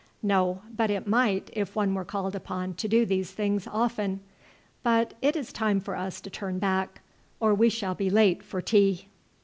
"No; but it might if one were called upon to do these things often. But it is time for us to turn back, or we shall be late for tea."